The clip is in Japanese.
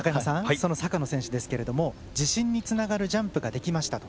その坂野選手ですけれども自信につながるジャンプができましたと。